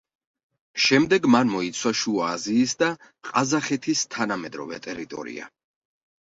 შემდეგ მან მოიცვა შუა აზიის და ყაზახეთის თანამედროვე ტერიტორია.